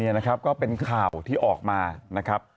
นี่นะครับก็เป็นข่าวที่ออกมานะครับ